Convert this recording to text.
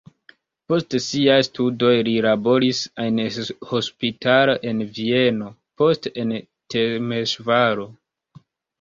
Post siaj studoj li laboris en hospitalo en Vieno, poste en Temeŝvaro.